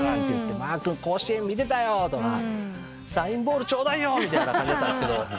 「マー君甲子園見てたよ」とか「サインボールちょうだい」みたいな感じだったんですけど。